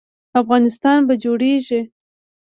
افغانستان به جوړیږي